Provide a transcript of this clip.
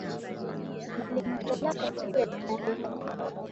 Balimuzalaka siku ya starehe